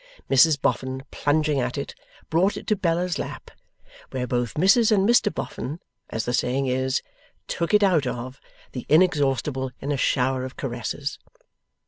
Mrs Boffin, plunging at it, brought it to Bella's lap, where both Mrs and Mr Boffin (as the saying is) 'took it out of' the Inexhaustible in a shower of caresses.